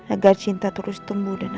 agar cinta terus tumbuh dan abadi